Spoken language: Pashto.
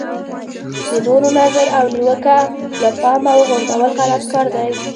د نورو نظر او نیوکه له پامه غورځول غلط کار دی.